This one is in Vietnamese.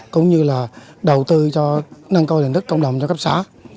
cũng như là đầu tư cho nâng cao nhận thức cộng đồng cho cấp xã